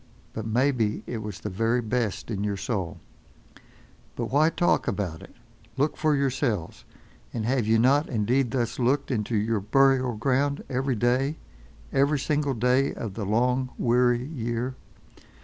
But, maybe, it was the very best in your soul—— But why talk about it? Look for yourselves. And have you not indeed thus looked into your burial ground every day, every single day of the long, weary year?